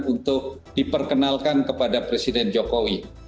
untuk diperkenalkan kepada presiden jokowi